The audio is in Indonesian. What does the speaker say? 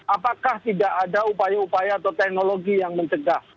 apakah tidak ada upaya upaya atau teknologi yang mencegah